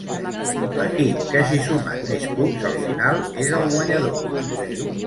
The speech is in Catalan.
L'equip que hagi sumat més punts al final és el guanyador.